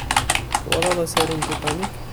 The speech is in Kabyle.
Twalaḍ asaru n Titanic?